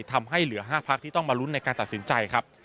ทำให้เหลือ๕พักที่ต้องมาลุ้นในการตัดสินใจครับ